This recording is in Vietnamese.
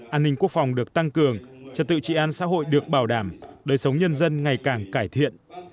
an ninh quốc phòng được tăng cường trật tự trị an xã hội được bảo đảm đời sống nhân dân ngày càng cải thiện